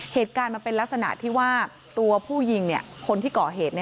เหตุการณ์มันเป็นลักษณะที่ว่าตัวผู้ยิงคนที่ก่อเหตุ